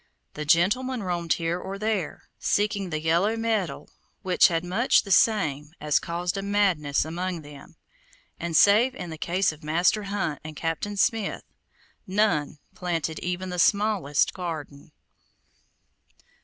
The gentlemen roamed here or there, seeking the yellow metal which had much the same as caused a madness among them; and, save in the case of Master Hunt and Captain Smith, none planted even the smallest garden.